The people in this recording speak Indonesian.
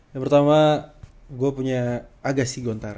yang pertama gua punya agassi gontar